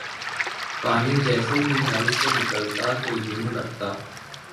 پانی جیسے ہی نل سے نکلتا تو یوں لگتا